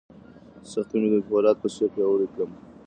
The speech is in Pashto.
سختۍ مې د فولاد په څېر پیاوړی کړم.